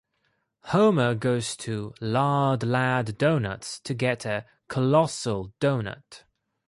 Homer goes to Lard Lad Donuts to get a "colossal doughnut".